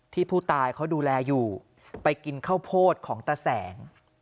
ผู้ตายเขาดูแลอยู่ไปกินข้าวโพดของตาแสง